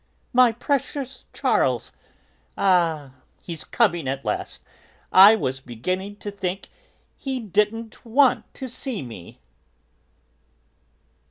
"My precious Charles? Ah, he's coming at last; I was beginning to think he didn't want to see me!"